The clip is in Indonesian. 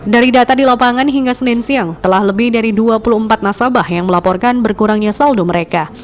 dari data di lapangan hingga senin siang telah lebih dari dua puluh empat nasabah yang melaporkan berkurangnya saldo mereka